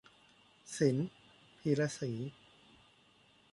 ศิลป์ พีระศรี